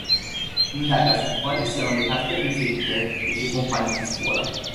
Indaga su quali siano le carte preferite dei suoi compagni di scuola.